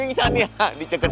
yang tadi kita lihat